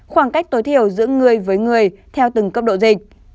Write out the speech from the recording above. khoảng cách tối thiểu giữa người với người theo từng cấp độ dịch